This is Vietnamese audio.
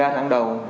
hai mươi ba tháng đầu